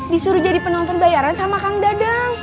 disuruh jadi penonton bayaran sama kang dadang